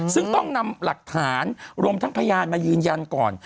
ซึ่งต้องนำหลักฐานรวมทั้งพยานมายืนยันก่อน